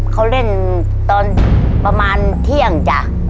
เขาเล่นตอนประมาณเที่ยงจ้ะ